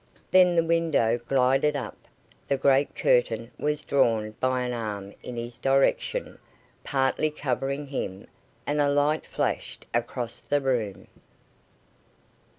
Then the window glided up, the great curtain was drawn by an arm in his direction, partly covering him, and a light flashed across the room.